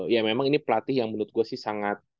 ya memang ini pelatih yang menurut gue sih sangat